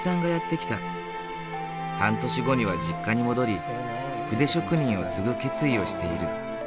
半年後には実家に戻り筆職人を継ぐ決意をしている。